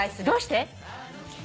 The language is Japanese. どうして？